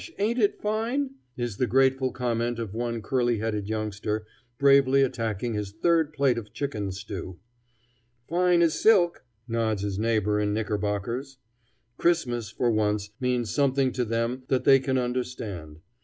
ain't it fine?" is the grateful comment of one curly headed youngster, bravely attacking his third plate of chicken stew. "Fine as silk," nods his neighbor in knickerbockers. Christmas, for once, means something to them that they can understand.